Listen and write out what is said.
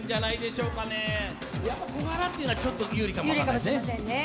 小柄っていうのはちょっと有利かもわからないですね。